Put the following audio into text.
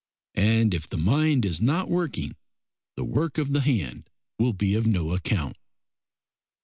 And if the mind is not working, the work of the hand will be of no account.